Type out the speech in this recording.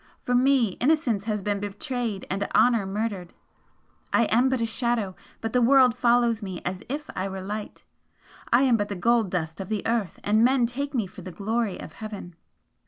For me innocence has been betrayed and honour murdered. I am but a Shadow, but the world follows me as if I were Light I am but the gold dust of earth, and men take me for the glory of Heaven!"